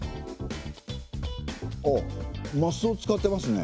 あっマスを使ってますね。